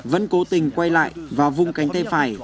vẫn cố tình quay lại vào vùng cánh tay phải